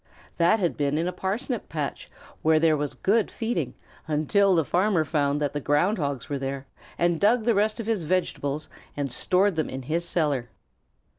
That had been in a parsnip patch where there was good feeding until the farmer found that the Ground Hogs were there, and dug the rest of his vegetables and stored them in his cellar.